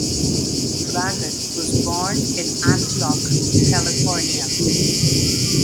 Dragon was born in Antioch, California.